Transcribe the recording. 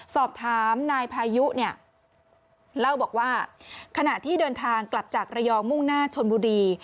สอบถามนายพายุเนี่ยเล่าบอกว่าขณะที่เดินทางกลับจากระยองมุ่งหน้าชนบุรี